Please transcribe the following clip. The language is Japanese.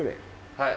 はい。